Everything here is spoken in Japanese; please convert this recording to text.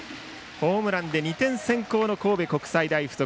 ホームランで２点先行の神戸国際大付属。